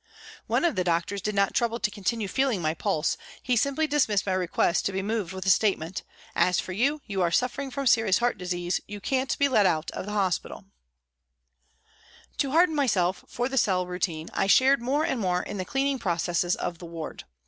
One of the doctors did not trouble to continue feeling my pulse, he simply dismissed my request to be moved with the statement, " As for you, you are suffering from serious heart disease, you can't be let out of hospital." 124 PRISONS AND PRISONERS To harden myself for the cell routine I shared more and more in the cleaning processes of the ward.